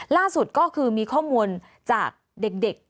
ล่าสุดก็คือมีข้อมูลจากเด็ก